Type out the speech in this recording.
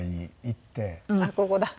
あっここだ。